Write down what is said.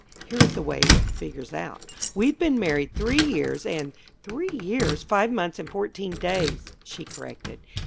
Here is the way it figures out. We've been married three years, and " "Three years, five months and fourteen days," she corrected.